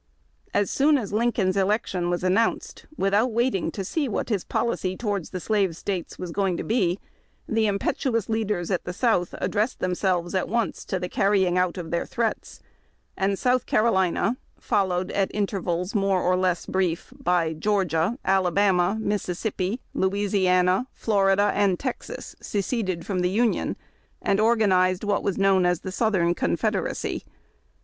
As soon as Lincoln's election was announced, without waiting to see what his policy towards the slave States was going to be, the impetuous leaders at the South addressed themselves at once to the carrying out of their threats ; and South Carolina, followed, at intervals more or less brief, by Georgia, Alabama, Mississippi, Louisiana, Florida, and Texas, seceded from the Union, and organized what was known as the Southern Confederacy.